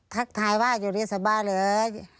ทักทายว่าอยู่ในสบายเลย